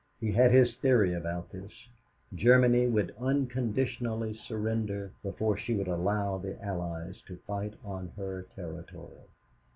He had his theory about this: Germany would unconditionally surrender before she would allow the Allies to fight on her territory.